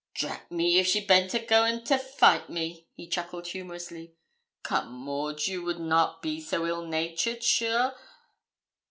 'Drat me, if she baint a going to fight me!' he chuckled humorously. 'Come, Maud, you would not be ill natured, sure?